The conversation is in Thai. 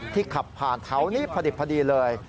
ที่ขับผ่านเขานี้พอดีเลย